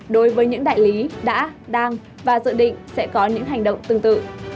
đối với những đại lý đã đang và dự định sẽ có những hành động tương tự